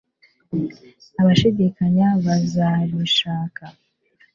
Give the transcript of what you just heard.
Abashidikanya bazabishaka